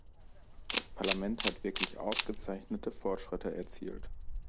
Das Parlament hat wirklich ausgezeichnete Fortschritte erzielt.